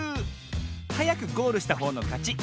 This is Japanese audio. はやくゴールしたほうのかち。